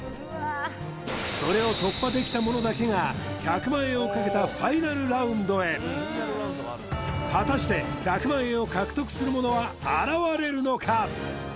それを突破できた者だけが１００万円をかけたＦＩＮＡＬラウンドへ果たして１００万円を獲得する者は現れるのか？